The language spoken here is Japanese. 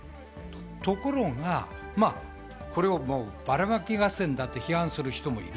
ところが、これをばらまき合戦だと批判する人もいる。